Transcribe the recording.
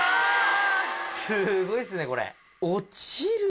すごいっすねこれ。